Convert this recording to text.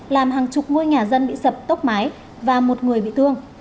làm hàng chục ngôi nhà dân bị sập tốc máy và một người bị thương